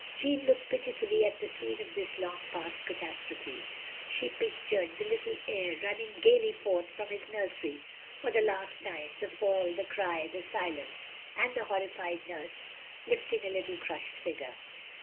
" Jeanne looked pitiftilly at the scene of this long past catastrophe. She pictured "the little heir" running gaily forth from his nursery for the last time, — ^the fall — ^the cry — ^the silence — ^and the horrified nurse lifting a little crushed figure.